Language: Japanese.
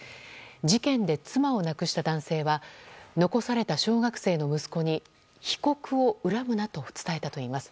事件で妻を亡くした男性は残された小学生の息子に被告を恨むなと伝えたといいます。